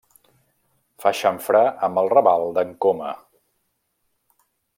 Fa xamfrà amb el Raval d'en Coma.